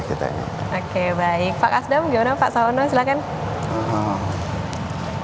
oke baik pak asdam gimana pak sawono silahkan